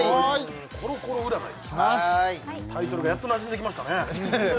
コロコロ占いタイトルがやっとなじんできましたね